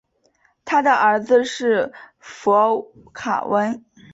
他的儿子是佛卡温。